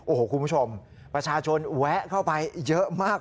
โอ้โหคุณผู้ชมประชาชนแวะเข้าไปเยอะมาก